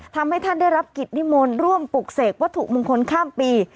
ทำให้ท่านได้รับกิจนิมนต์ร่วมปลูกเสกวัตถุมงคลข้ามปี